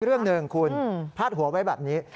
เรื่องหนึ่งคุณพาดหัวไว้แบบนี้